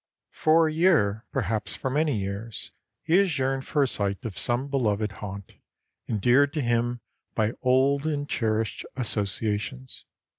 For a year, perhaps for many years, he has yearned for a sight of some beloved haunt, endeared to him by old and cherished associations.